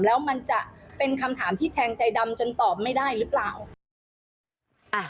แล้วมันจะเป็นคำถามที่แทงใจดำจนตอบไม่ได้หรือเปล่า